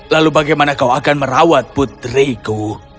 lalu bagaimana kau akan merawat putriku